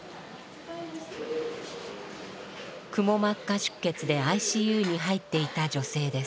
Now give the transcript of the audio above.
くも膜下出血でＩＣＵに入っていた女性です。